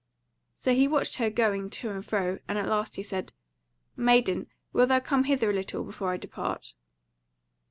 So he watched her going to and fro; and at last he said: "Maiden, wilt thou come hither a little, before I depart?"